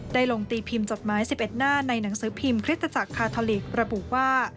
ได้ลงตีพิมพ์จดหมาย๑๑หน้าในหนังสือพิมพ์คริสตจักรคาทอลิกระบุว่า